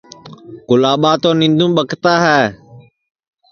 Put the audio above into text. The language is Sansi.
گُلاٻا تو نینٚدُؔوم ٻکتا ہے